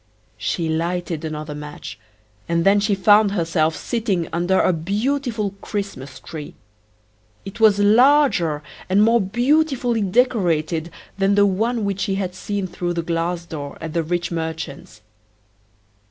She lighted another match, and then she found herself sitting under a beautiful Christmas tree. It was larger and more beautifully decorated than the one which she had seen through the glass door at the rich merchant's.